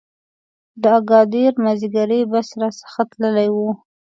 د اګادیر مازیګری بس را څخه تللی و.